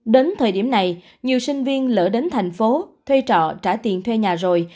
đến thời điểm này nhiều sinh viên lỡ đến thành phố thuê trọ trả tiền thuê nhà rồi